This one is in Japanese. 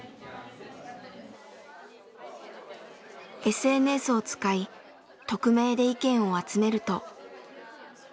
ＳＮＳを使い匿名で意見を集めると。